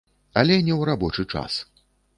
Але не ў рабочы час.